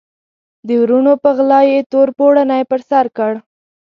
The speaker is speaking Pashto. د وروڼو په غلا یې تور پوړنی پر سر کړ.